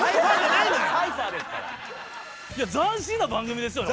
いや斬新な番組ですよね。